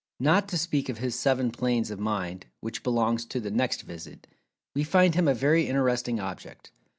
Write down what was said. Not to speak of his "Seven Planes of Mind," which belongs to the next visit, we find him a very interesting object.